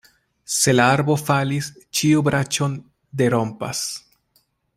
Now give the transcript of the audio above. Se la arbo falis, ĉiu branĉon derompas.